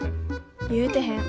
言うてへん。